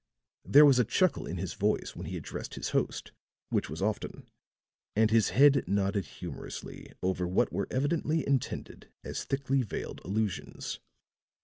There was a chuckle in his voice when he addressed his host, which was often, and his head nodded humorously over what were evidently intended as thickly veiled allusions.